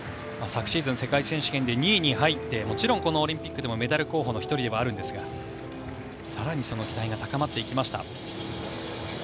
昨シーズン世界選手権で２位に入ってもちろんオリンピックでもメダル候補の１人ではあるんですが更に、その期待が高まっていきました。